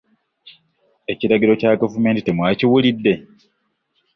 Ekiragiro kya gavumenti temwakiwulidde?